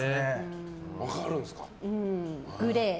分かるんですか。